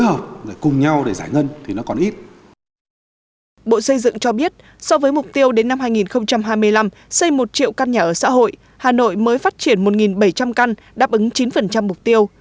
hà nội mới phát triển một bảy trăm linh căn đáp ứng chín mục tiêu